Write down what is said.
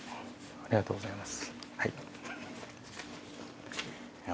ありがとうございます。